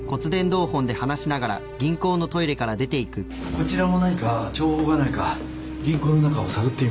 こちらも何か情報がないか銀行の中を探ってみます。